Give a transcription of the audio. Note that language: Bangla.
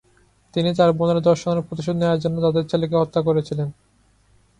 তিনি তার বোনের ধর্ষণের প্রতিশোধ নেওয়ার জন্য তাদের ছেলেকে হত্যা করেছিলেন।